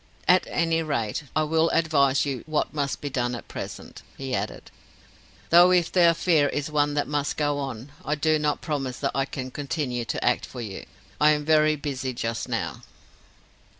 "At any rate, I will advise you what must be done at present," he added, "though if the affair is one that must go on, I do not promise that I can continue to act for you. I am very busy just now."